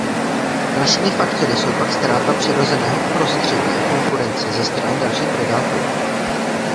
Dalšími faktory jsou pak ztráta přirozeného prostředí a konkurence ze strany dalších predátorů.